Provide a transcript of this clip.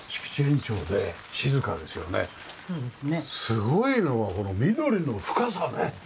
すごいのはこの緑の深さね！